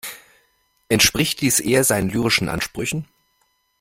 Entspricht dies eher seinen lyrischen Ansprüchen?